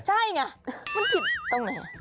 ใช่ไงมันผิดตรงไหน